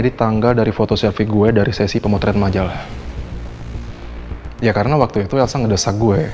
dia dari antara ali dan